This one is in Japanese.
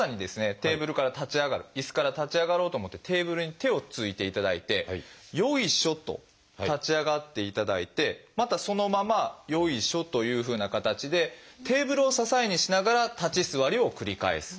テーブルから立ち上がる椅子から立ち上がろうと思ってテーブルに手をついていただいてよいしょと立ち上がっていただいてまたそのままよいしょというふうな形でテーブルを支えにしながら立ち座りを繰り返す。